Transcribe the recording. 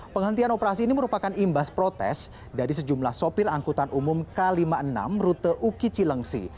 penghentian operasi ini merupakan imbas protes dari sejumlah sopir angkutan umum k lima puluh enam rute uki cilengsi